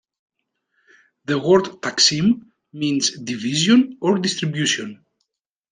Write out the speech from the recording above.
The word Taksim means "division" or "distribution".